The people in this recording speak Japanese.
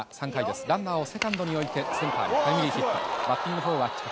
ランナーをセカンドに置いてセンターにタイムリーヒット。